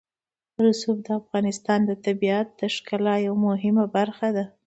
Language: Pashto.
رسوب د افغانستان د طبیعت د ښکلا یوه مهمه برخه ده.